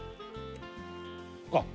あっ